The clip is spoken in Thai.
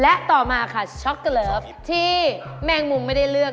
และต่อมาค่ะช็อกโกเลิฟที่แมงมุมไม่ได้เลือก